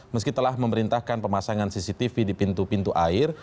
meskitalah memerintahkan pemasangan cctv di pintu pintu air